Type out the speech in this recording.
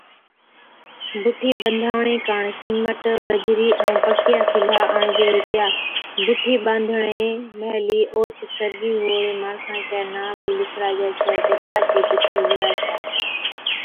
بُٺِي ٻنڌاوَڻي ڪاڻ سِيمٽ، بجرِي ائُون پڪِيا سِلھا آڻجي ھِتيا، بُٺِي ٻانڌڻي مھلِي اوھچ سرگِي ھئُوڙي ماڻسا چَي نان بِي لِکڙاجي ڇَي، جڪا چِي بُٺِي ھُوَي ڇَي